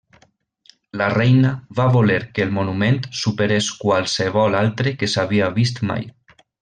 La reina va voler que el monument superés qualsevol altre que s'havia vist mai.